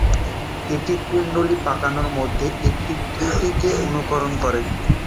এটি কুণ্ডলী পাকানোর মাধ্যমে একটি ত্রুটিকে অনুকরণ করে।